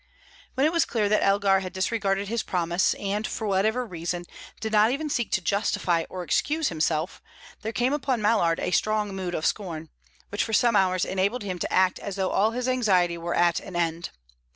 When it was clear that Elgar had disregarded his promise, and, for whatever reason, did not even seek to justify or excuse himself, there came upon Mallard a strong mood of scorn, which for some hours enabled him to act as though all his anxiety were at an end.